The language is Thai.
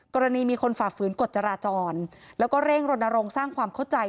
กรณีมีคนฝ่าฝืนกฎจราจรแล้วก็เร่งรณรงค์สร้างความเข้าใจ